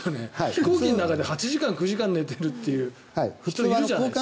飛行機の中で８時間、９時間寝てる人いるじゃないですか。